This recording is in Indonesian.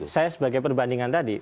saya sebagai perbandingan tadi